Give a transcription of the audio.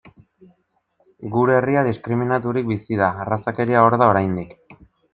Gure herria diskriminaturik bizi da, arrazakeria hor da oraindik.